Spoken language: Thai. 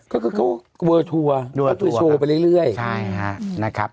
ก็คือวัลด์ทัวร์ก็คือโชว์ไปเรื่อยใช่ค่ะนะครับ